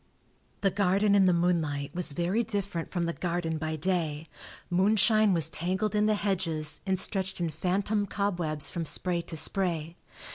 The garden in the moonlight was very different from the garden by day; moonshine was tangled in the hedges and stretched in phantom cobwebs from spray to spray.